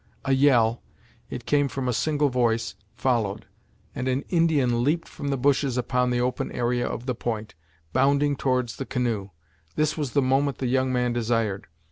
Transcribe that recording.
A yell it came from a single voice followed, and an Indian leaped from the bushes upon the open area of the point, bounding towards the canoe. This was the moment the young man desired.